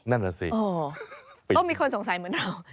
นั่นแหละสิก็มีคนสงสัยเหมือนเรา